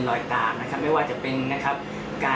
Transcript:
ในการพัฒนาไม่ว่าจะเป็นการเข้าใจ